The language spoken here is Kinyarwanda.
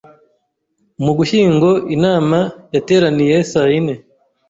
mu Ugushyingo inama yateraniye sayine